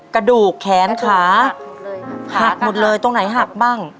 กระดูกแขนขาหักหมดเลยตรงไหนหักบ้าง